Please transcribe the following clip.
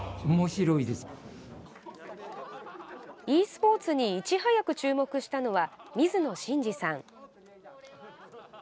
ｅスポーツにいち早く注目したのは、水野臣次さん。